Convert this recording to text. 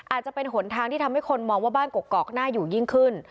อาจจะเป็นหนทางที่ทำให้คนมองว่าบ้านกกอกน่าอยู่ยิ่งขึ้น